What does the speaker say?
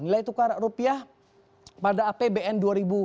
nilai tukar rupiah pada apbn dua ribu enam belas